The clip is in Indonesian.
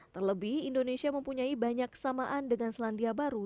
terlebih indonesia mempunyai banyak kesamaan dengan selandia baru